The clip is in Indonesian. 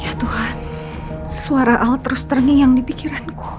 ya tuhan suara al terus terngiyang di pikiranku